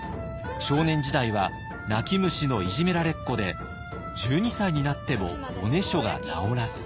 少年時代は泣き虫のいじめられっ子で１２歳になってもおねしょが治らず。